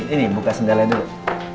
ini buka sendalnya dulu